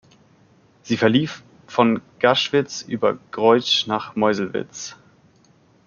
Sie verlief von Gaschwitz über Groitzsch nach Meuselwitz.